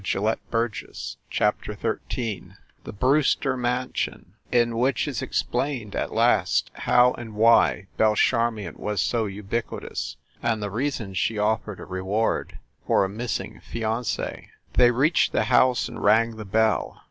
Fenton heard not a word, XIII THE BREWSTER MANSION IN WHICH IS EXPLAINED, AT LAST, HOW AND WHY BELLE CHARMION WAS SO UBIQUITOUS AND THE REASON SHE OFFERED A REWARD FOR A MISSING FIANCE THEY reached the house and rang the bell.